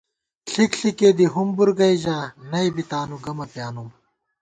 ݪِک ݪِکےدی ہُمبُور گئ ژا ، نئ بی تانُو گمہ پیانُم